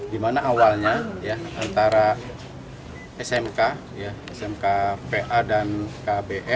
di mana awalnya antara smk smk pa dan kb